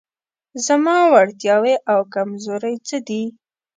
زما وړتیاوې او کمزورۍ څه دي؟